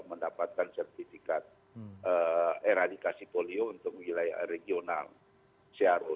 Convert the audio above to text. kita mendapatkan sertifikat eradikasi polio untuk wilayah regional cro